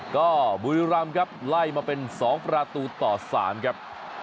ก็บุรีรัมน์ครับไล่มาเป็นสองประตูต่อสามครับ